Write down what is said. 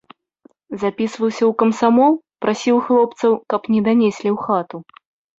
Запісваўся ў камсамол, прасіў хлопцаў, каб не данеслі ў хату.